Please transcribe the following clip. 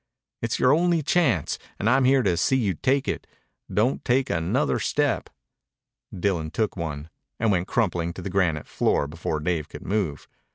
"It's your only chance, and I'm here to see you take it. Don't take another step." Dillon took one, and went crumpling to the granite floor before Dave could move.